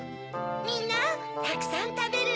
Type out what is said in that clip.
みんなたくさんたべるニン。